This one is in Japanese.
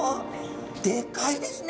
でかいですね！